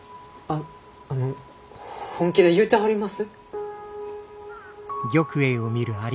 あの本気で言うたはります？